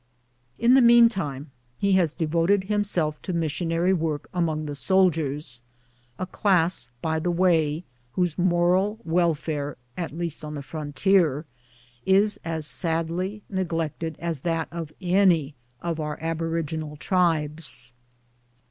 "In the mean time he has devoted himself to missionary work among the soldiers — a class, by the way. whose moral welfare, at least on the frontier, is as sadly neglected as that of any of our aboriginal tribes.